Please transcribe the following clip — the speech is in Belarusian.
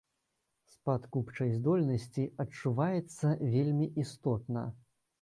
Спад купчай здольнасці адчуваецца вельмі істотна.